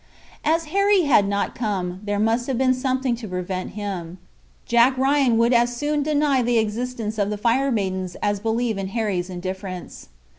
As Harry had not come, there must have been something to prevent him. Jack Ryan would as soon deny the existence of the Fire Maidens as believe in Harry's indifference.